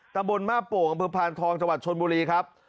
ตะบนมาโป่งอำเภอพานทองจังหวัดชนบุรีครับ